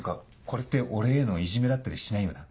これって俺へのいじめだったりしないよな？